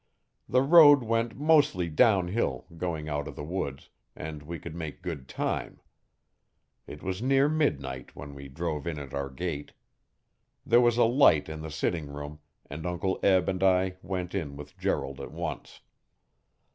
The road went mostly downhill, going out of the woods, and we could make good time. It was near midnight when we drove in at our gate. There was a light in the sitting room and Uncle Eb and I went in with Gerald at once.